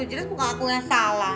jelas bukan aku yang salah